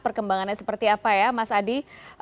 perkembangannya seperti apa ya mas adi